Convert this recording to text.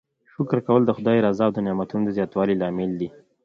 شکر کول د خدای د رضا او نعمتونو د زیاتوالي لامل دی.